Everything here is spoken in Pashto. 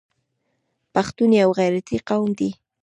پښتون یو غیرتي قوم دی.